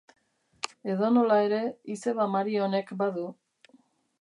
Edonola ere, izeba Marionek badu.